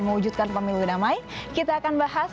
mewujudkan pemilu damai kita akan bahas